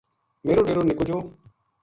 میرو ڈیرو نِکو جو